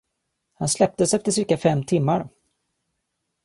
Han släpptes efter cirka fem timmar.